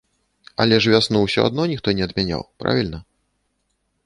Але ж вясну ўсё адно ніхто не адмяняў, правільна?